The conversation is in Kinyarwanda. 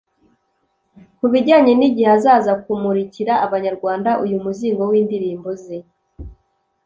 Ku bijyanye n'igihe azaza kumurikira abanyarwanda uyu muzingo w'indirimbo ze